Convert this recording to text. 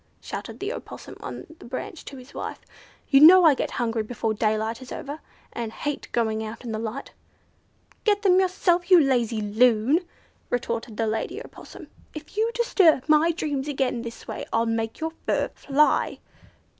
shouted the Opossum on the branch to his wife. "You know I get hungry before daylight is over, and hate going out in the light." "Get them yourself, you lazy loon!" retorted the lady Opossum. "If you disturb my dreams again this way, I'll make your fur fly."